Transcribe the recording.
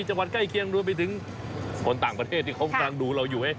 จังหวัดใกล้เคียงรวมไปถึงคนต่างประเทศที่เขากำลังดูเราอยู่